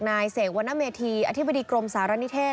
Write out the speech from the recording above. เสกวรรณเมธีอธิบดีกรมสารณิเทศ